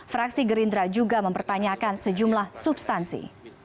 fraksi gerindra juga mempertanyakan sejumlah substansi